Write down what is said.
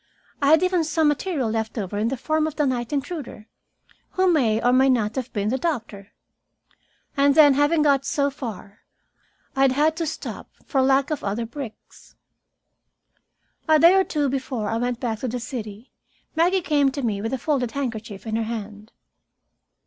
I had even some material left over in the form of the night intruder, who may or may not have been the doctor. And then, having got so far, I had had to stop for lack of other bricks. A day or two before I went back to the city, Maggie came to me with a folded handkerchief in her hand.